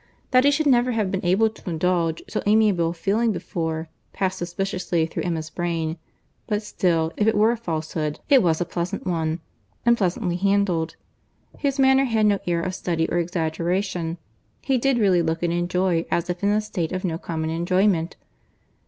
That he should never have been able to indulge so amiable a feeling before, passed suspiciously through Emma's brain; but still, if it were a falsehood, it was a pleasant one, and pleasantly handled. His manner had no air of study or exaggeration. He did really look and speak as if in a state of no common enjoyment.